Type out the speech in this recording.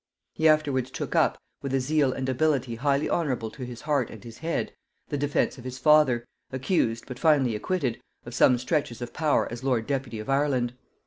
He afterwards took up, with a zeal and ability highly honorable to his heart and his head, the defence of his father, accused, but finally acquitted, of some stretches of power as lord deputy of Ireland.